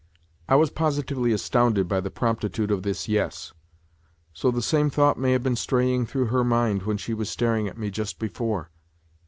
I was positively astounded by the promptitude of this " Yes." So the same thought may have been straying through her mind when she was staring at me just before.